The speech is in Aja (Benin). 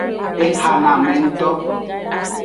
Exanamengto.